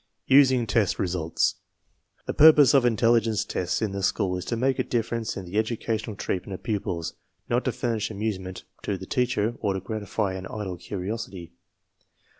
Using the test results. The^purpose of intelligeace /i tests in the schools is to make a difference" in the edu cational treatment of pupils, not to furnish amusement to the teacher or to gratify an idle curiosity.